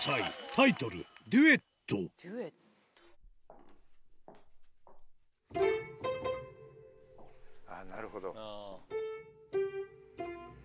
タイトルなるほど。